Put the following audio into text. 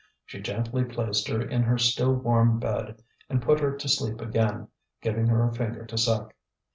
She gently placed her in her still warm bed, and put her to sleep again, giving her a finger to suck.